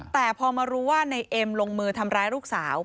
แต่พอมารู้ว่าในเอ็มลงมือทำร้ายลูกสาว